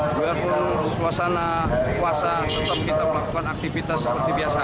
biarpun suasana puasa tetap kita melakukan aktivitas seperti biasa